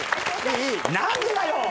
何でだよ